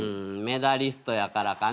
メダリストやからかな！？